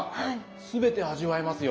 全て味わえますよ。